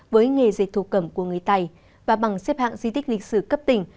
với nghề dịch thổ cẩm của người tài và bằng xếp hạng di tích lịch sử cấp tỉnh